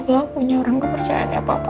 belakunya orang kepercayaan ya papa